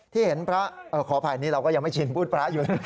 ที่เห็นประขอโทษค่ะเราไม่ชินพูดปลาอยู่